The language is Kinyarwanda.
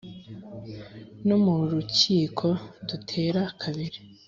no mu rukiko dutera kabiri